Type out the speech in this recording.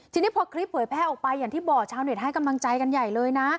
ทีนี้พอคลิปเผยแพร่ออกไปอย่างที่บอกชาวเน็ตให้กำลังใจกันใหญ่เลยนะ